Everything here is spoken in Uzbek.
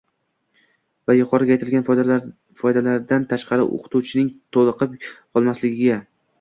va yuqorida aytilgan foydalardan tashqari o‘qituvchining toliqib qolmasligiga